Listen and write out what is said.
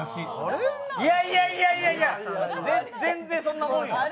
いやいやいや全然そんなもんよ。